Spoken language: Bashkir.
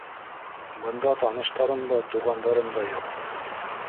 Бында таныштарым да, туғандарым да юҡ.